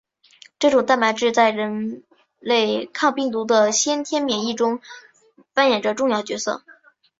这种蛋白质在人类抗病毒的先天免疫中扮演着重要角色。